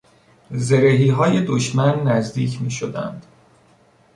زرهیهای دشمن نزدیک میشدند.